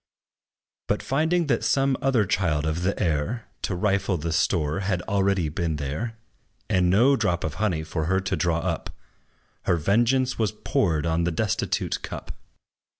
But, finding that some other child of the air, To rifle the store, had already been there, And no drop of honey for her to draw up, Her vengeance was poured on the destitute cup.